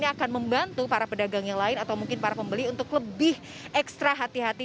ini akan membantu para pedagang yang lain atau mungkin para pembeli untuk lebih ekstra hati hati